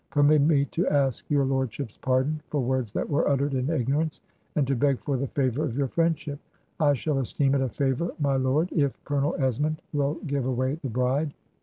'Permit me to ask your lordship's pardon for words that were uttered in ignorance, and to beg for the favor of your friendship. ... I shall esteem it a favor, my lord, if Colonel Esmond will give away the bride.'